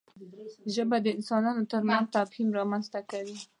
ژبه د انسانانو ترمنځ تفاهم رامنځته کوي